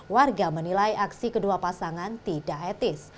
warga menilai aksi kedua pasangan tidak etis